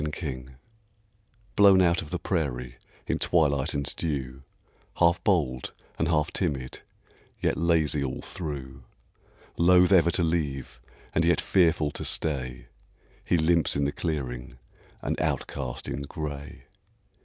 COYOTE Blown out of the prairie in twilight and dew, Half bold and half timid, yet lazy all through; Loath ever to leave, and yet fearful to stay, He limps in the clearing, an outcast in gray.